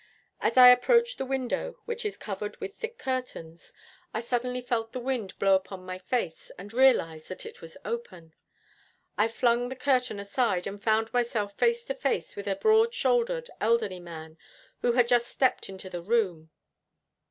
As I approached the window, which is covered with thick curtains, I suddenly felt the wind blow upon my face and realized that it was open. I flung the curtain aside and found myself face to face with a broad shouldered elderly man, who had just stepped into the room.